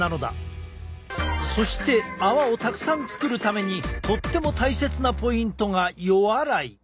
そして泡をたくさん作るためにとっても大切なポイントが予洗い。